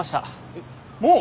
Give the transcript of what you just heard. えっもう！？